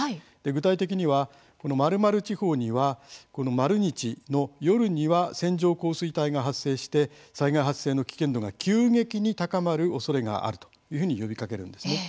具体的には、○○地方には○日の夜には線状降水帯が発生して災害発生の危険度が急激に高まるおそれがあるというふうに呼びかけるんです。